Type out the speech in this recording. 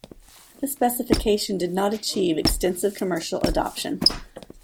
This specification did not achieve extensive commercial adoption.